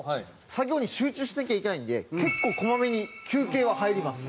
作業に集中しなきゃいけないんで結構こまめに休憩は入ります。